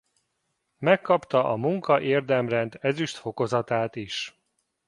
Megkapta a Munka Érdemrend ezüst fokozatát is.